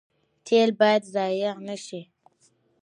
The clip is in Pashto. تیل باید ضایع نشي